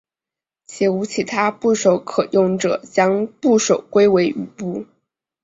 且无其他部首可用者将部首归为羽部。